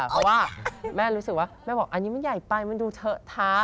เพราะว่าแม่รู้สึกว่าแม่บอกอันนี้มันใหญ่ไปมันดูเทอะทะ